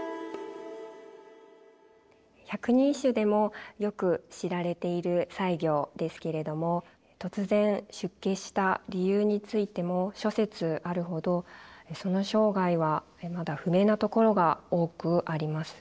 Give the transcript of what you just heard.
百人一首でもよく知られている西行ですけれども突然出家した理由についても諸説あるほどその生涯はまだ不明なところが多くあります。